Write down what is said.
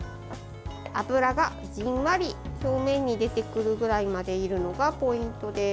油が、じんわり表面に出てくるぐらいまで煎るのがポイントです。